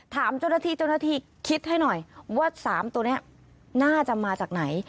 ถามเจ้าหน้าที่เจ้าหน้าที่คิดให้หน่อยว่า๓ตัวนี้น่าจะมาจากไหน